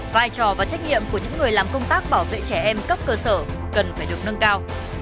vai trò và trách nhiệm của những người làm công tác bảo vệ trẻ em cấp cơ sở cần phải được nâng cao